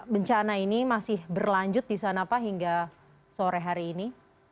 bencana ini masih berlanjut di sana pak hingga sore hari ini